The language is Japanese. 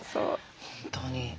本当に。